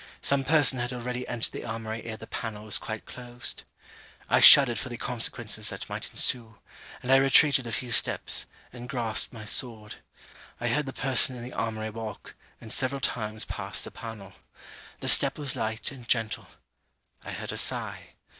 Some person had already entered the armoury ere the pannel was quite closed. I shuddered for the consequences that might ensue; and I retreated a few steps, and grasped my sword. I heard the person in the armoury walk, and several times pass the pannel. The step was light and gentle. I heard a sigh.